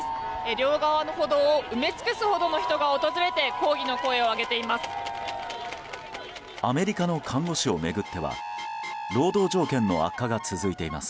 両側の歩道を埋め尽くすほどの人が訪れて抗議の声を上げています。